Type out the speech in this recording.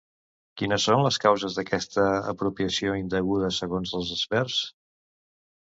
Quines són les causes d'aquesta apropiació indeguda segons els experts?